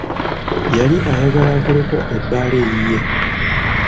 Yali ayagala akoleko ebbaala eyiye.